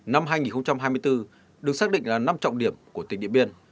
năm hai nghìn hai mươi bốn được xác định là năm trọng điểm của tỉnh điện biên